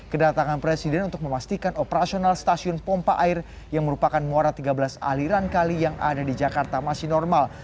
kedatangan presiden untuk memastikan operasional stasiun pompa air yang merupakan muara tiga belas aliran kali yang ada di jakarta masih normal